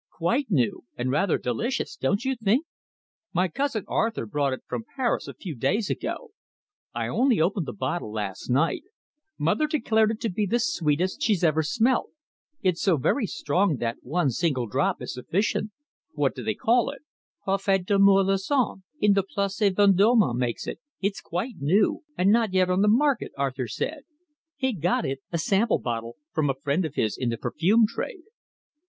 "Quite new, and rather delicious, don't you think? My cousin Arthur brought it from Paris a few days ago. I only opened the bottle last night. Mother declared it to be the sweetest she's ever smelt. It's so very strong that one single drop is sufficient." "What do they call it?" "Parfait d'Amour. Lauzan, in the Placé Vendôme, makes it. It's quite new, and not yet on the market, Arthur said. He got it a sample bottle from a friend of his in the perfume trade."